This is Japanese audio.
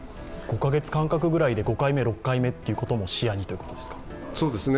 ５カ月間隔ぐらいで５回目、６回目を視野にということですか？